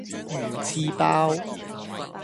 魚翅包